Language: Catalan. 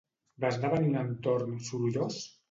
Va esdevenir un entorn sorollós?